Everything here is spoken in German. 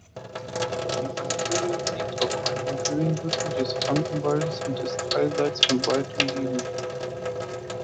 Die Einöde liegt auf einem Höhenrücken des Frankenwaldes und ist allseits von Wald umgeben.